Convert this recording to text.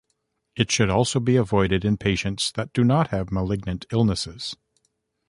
It should also be avoided in patients that do not have malignant illnesses.